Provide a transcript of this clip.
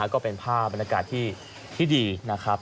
ก็เป็นภาพบรรยากาศที่ดีนะครับ